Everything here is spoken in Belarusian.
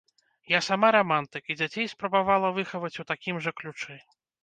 Я сама рамантык, і дзяцей спрабавала выхаваць у такім жа ключы.